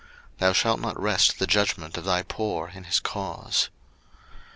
02:023:006 Thou shalt not wrest the judgment of thy poor in his cause.